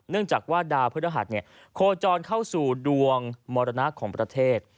เนื่องจากว่าดาวเพื่อเรือหัดโคลจรเข้าสู่ดวงมอรณะของประเทศ